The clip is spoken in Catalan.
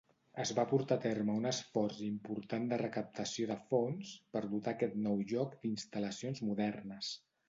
Es va portar a terme un esforç important de recaptació de fons per dotar aquest nou lloc d'instal·lacions modernes.